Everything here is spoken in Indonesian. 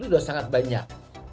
itu sudah sangat banyak